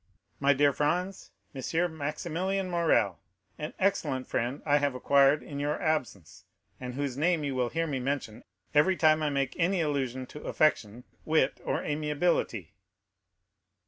My dear Franz, M. Maximilian Morrel, an excellent friend I have acquired in your absence, and whose name you will hear me mention every time I make any allusion to affection, wit, or amiability."